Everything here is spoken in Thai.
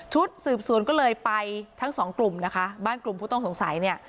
ชุดสืบสวนก็เลยไปทั้งสองกลุ่มนะคะบ้านกลุ่มผู้ต้องสงสัยเนี่ย